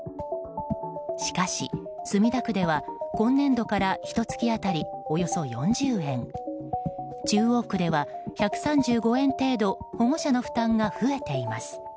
しかし墨田区では今年度からひと月当たり、およそ４０円中央区では１３５円程度保護者の負担が増えています。